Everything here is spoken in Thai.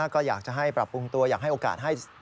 ก็อยากจะให้ปรับปรุงตัวอยากให้โอกาสให้